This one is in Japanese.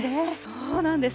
そうなんです。